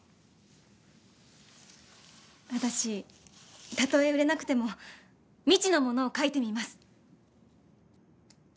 私たとえ売れなくても未知のものを書いてみます。